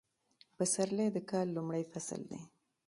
پسرلی د کال لومړی فصل دی